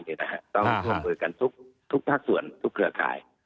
ต้องร่วมมือกันทุกภาคส่วนทุกเครือข่าย